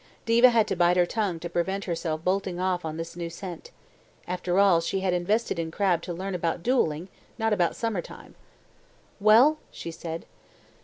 Diva had to bite her tongue to prevent herself bolting off on this new scent. After all, she had invested in crab to learn about duelling, not about summer time. "Well?" she said.